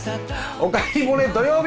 「おかえりモネ」土曜日！